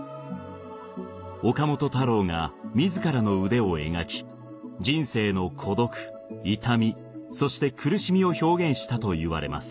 岡本太郎が自らの腕を描き人生の孤独痛みそして苦しみを表現したといわれます。